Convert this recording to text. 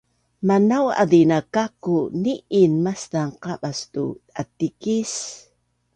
Manau’azin a kaku’ ni’in maszang qabasan tu atikis